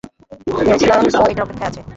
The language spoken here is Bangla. ভেবেছিলাম ও এটার অপেক্ষায় আছে।